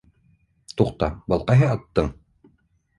Туҡта, был ҡайһы аттың...